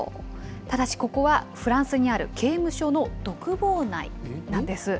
ただし、ここはフランスにある刑務所の独房内なんです。